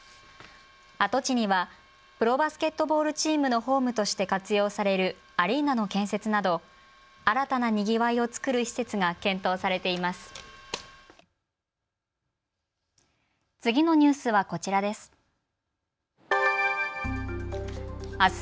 跡地にはプロバスケットボールチームのホームとして活用されるアリーナの建設など新たなにぎわいをつくる施設が検討されています。